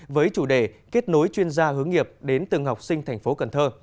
với chủ đề kết nối chuyên gia hướng nghiệp đến từng học sinh tp cn